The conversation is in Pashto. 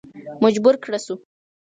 مجبور کړه شو.